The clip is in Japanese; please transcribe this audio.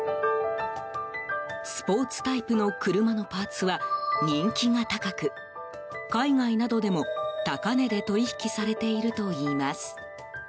スポーツタイプの車のパーツは人気が高く海外などでも、高値で取引されているといいます。